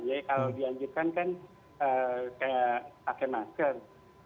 jadi kalau dianjurkan kan pakai masker